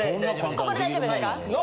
ここで大丈夫ですか？